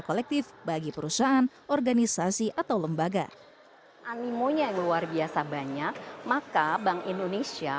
kolektif bagi perusahaan organisasi atau lembaga animonya yang luar biasa banyak maka bank indonesia